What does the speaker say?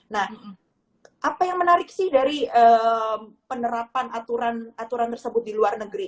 nah apa yang menarik sih dari penerapan aturan aturan tersebut di luar negeri